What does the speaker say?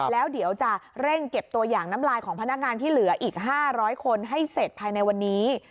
แล้วเดี๋ยวจะเร่งเก็บตัวอย่างน้ำลายของพนักงานที่เหลืออีก๕๐๐คนให้เสร็จภายในวันนี้